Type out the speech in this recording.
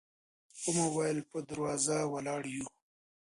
و مو ویل په دروازه ولاړ یو.